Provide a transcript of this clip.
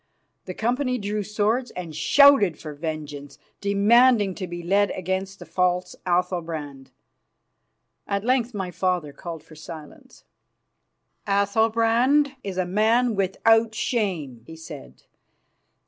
The company drew swords and shouted for vengeance, demanding to be led against the false Athalbrand. At length my father called for silence. "Athalbrand is a man without shame," he said.